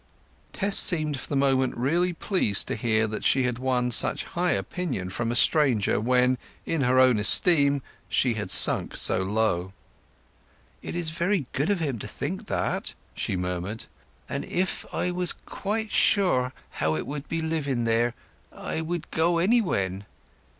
Tess seemed for the moment really pleased to hear that she had won such high opinion from a stranger when, in her own esteem, she had sunk so low. "It is very good of him to think that," she murmured; "and if I was quite sure how it would be living there, I would go any when."